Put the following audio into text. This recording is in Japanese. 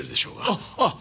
あっああ！